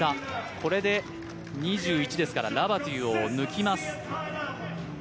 これで２１ですからラバトゥを抜きます。